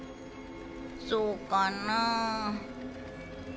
そうかなあ。